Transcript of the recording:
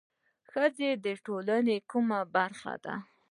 ښځه د ټولنې کومه برخه ده؟